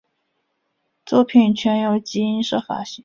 作品全由集英社发行。